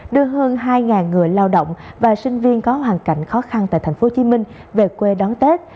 đưa hơn hai người lao động và sinh viên có hoàn cảnh khó khăn tại tp hcm về quê đón tết